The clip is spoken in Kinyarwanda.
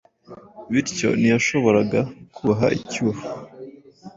bityo ntiyashoboraga kubaha icyuho